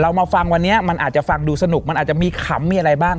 มาฟังวันนี้มันอาจจะฟังดูสนุกมันอาจจะมีขำมีอะไรบ้าง